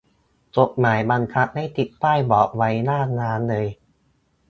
กฎหมายบังคับให้ติดป้ายบอกไว้หน้าร้านเลย